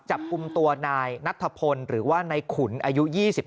จับกลุ่มตัวนายนัทธพลหรือว่านายขุนอายุ๒๕